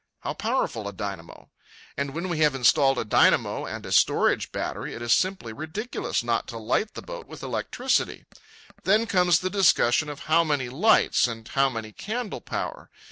How powerful a dynamo? And when we have installed a dynamo and a storage battery, it is simply ridiculous not to light the boat with electricity. Then comes the discussion of how many lights and how many candle power.